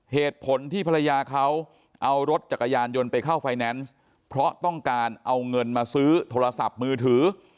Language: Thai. เหตุผลที่ภรรยาเขาเอารถจักรยานยนต์ไปเข้าไฟแนนซ์เพราะต้องการเอาเงินมาซื้อโทรศัพท์มือถือ